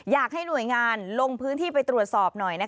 อยากให้หน่วยงานลงพื้นที่ไปตรวจสอบหน่อย